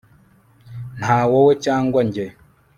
Nta wowe cyangwa njye